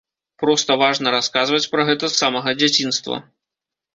Проста важна расказваць пра гэта з самага дзяцінства.